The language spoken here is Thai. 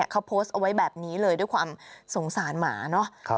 เขาโพสต์เอาไว้แบบนี้เลยด้วยความสงสารหมาเนอะ